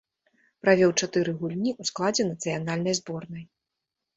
Правёў чатыры гульні ў складзе нацыянальнай зборнай.